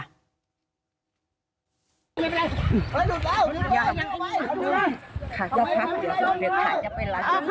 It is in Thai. นี่คล้ายถ่ายยิ้มผมถ่ายไว้นะ